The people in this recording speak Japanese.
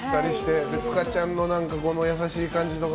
つかちゃんの優しい感じとか。